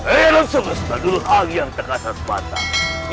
ilmu semesta dulu lagi yang tegasan patah